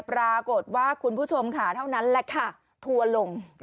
คุณผู้ชมค่ะเท่านั้นแหละค่ะทัวร์ลง